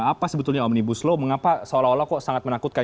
apa sebetulnya omnibus law mengapa seolah olah kok sangat menakutkan